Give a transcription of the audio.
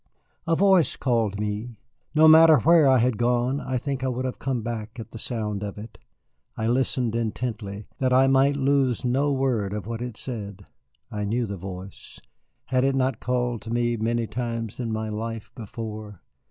A voice called me. No matter where I had gone, I think I would have come back at the sound of it. I listened intently, that I might lose no word of what it said. I knew the voice. Had it not called to me many times in my life before?